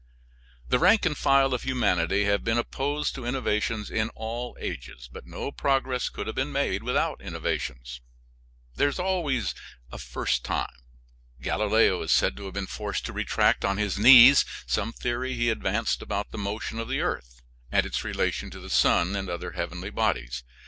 The rank and file of humanity have been opposed to innovations in all ages, but no progress could have been made without innovations. There always has to be a first time. Galileo is said to have been forced to retract, on his knees, some theory he advanced about the motion of the earth, and its relation to the sun and other heavenly bodies.